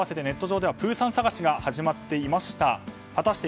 ネット上ではプーさん探しが始まっていました。